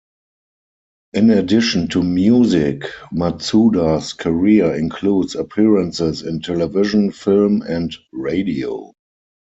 In addition to music, Matsuda's career includes appearances in television, film, and radio.